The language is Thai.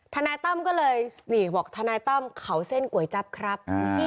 ทนายตั้มก็เลยนี่บอกทนายตั้มเขาเส้นก๋วยจับครับ